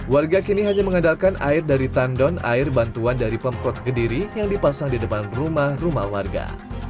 warga kini hanya mengandalkan air dari tandon air bantuan dari pemkot kediri yang dipasang di depan rumah rumah warga